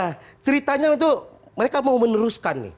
nah ceritanya itu mereka mau meneruskan nih